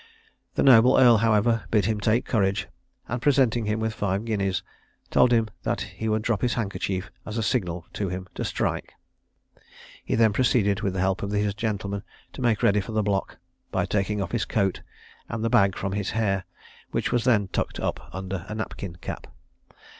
The noble earl, however, bid him take courage, and presenting him with five guineas, told him that he would drop his handkerchief as a signal to him to strike. He then proceeded, with the help of his gentlemen, to make ready for the block, by taking off his coat, and the bag from his hair, which was then tucked up under a napkin cap.